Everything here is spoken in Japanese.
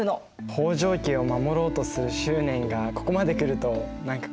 北条家を守ろうとする執念がここまでくると何か怖いよね。